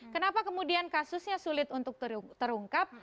kenapa kemudian kasusnya sulit untuk terungkap